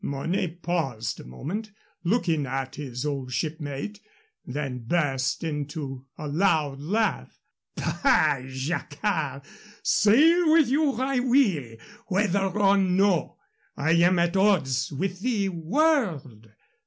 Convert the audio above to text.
Mornay paused a moment, looking at his old shipmate, then burst into a loud laugh. "Bah, Jacquard! sail with you I will, whether or no. I am at odds with the world.